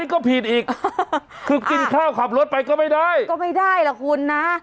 ก็ผิดอีกคือกินข้าวขับรถไปก็ไม่ได้ก็ไม่ได้ล่ะคุณนะ